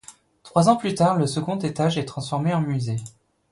Trois ans plus tard, le second étage est transformé en musée.